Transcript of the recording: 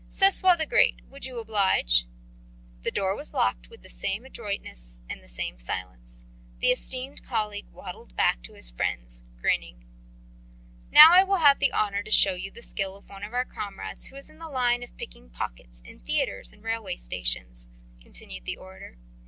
Sesoi the Great, would you oblige?" The door was locked with the same adroitness and the same silence. The esteemed colleague waddled back to his friends, grinning. "Now I will have the honour to show you the skill of one of our comrades who is in the line of picking pockets in theatres and railway stations," continued the orator.